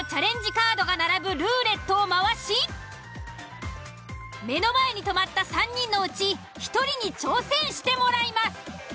カードが並ぶルーレットを回し目の前に止まった３人のうち１人に挑戦してもらいます。